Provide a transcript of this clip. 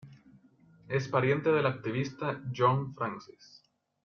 Es pariente del activista John Francis.